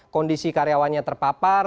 kondisi karyawannya terpapar